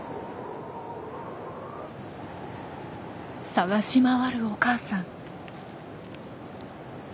捜し回るお母さん。